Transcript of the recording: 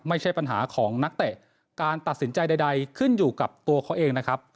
ไม่ใช่ปัญหาของนักเตะการตัดสินใจใดขึ้นอยู่กับตัวเขาเองนะครับ